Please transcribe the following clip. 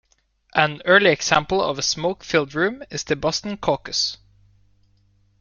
An early example of a smoke-filled room is the Boston Caucus.